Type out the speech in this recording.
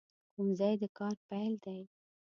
ښوونځی د کار پیل دی